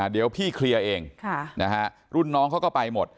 เดี๋ยวพี่เคลียร์เองรุ่นน้องเขาก็ไปหมด